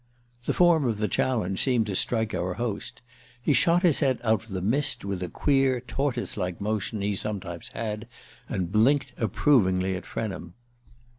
The form of the challenge seemed to strike our host. He shot his head out of the mist with a queer tortoise like motion he sometimes had, and blinked approvingly at Frenham.